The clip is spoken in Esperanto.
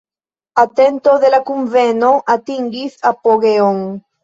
Atento de la kunveno atingis apogeon.